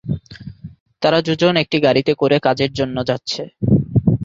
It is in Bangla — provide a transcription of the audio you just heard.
তারা দুজন একটি গাড়িতে করে কাজের জন্য যাচ্ছে।